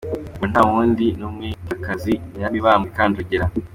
Uwo nta wundi ni umwegakazi Nyiramibambwe Kanjogera.